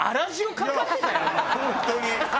本当に。